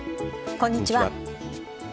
こんにちは。